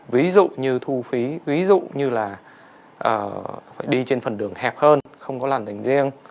ví dụ như thu phí ví dụ như là đi trên phần đường hẹp hơn không có làm rành riêng